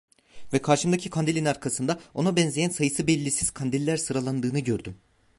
Ve karşımdaki kandilin arkasında, ona benzeyen sayısı bellisiz kandiller sıralandığını gördüm.